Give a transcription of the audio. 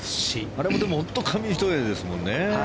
あれも紙一重ですもんね。